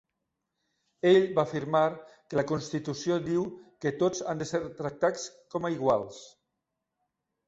Ell va afirmar que la Constitució diu que tots han de ser tractats com a iguals.